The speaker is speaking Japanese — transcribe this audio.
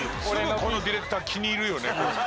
このディレクター気に入るよね。